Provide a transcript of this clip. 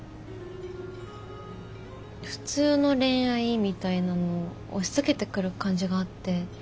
普通の恋愛みたいなのを押しつけてくる感じがあって。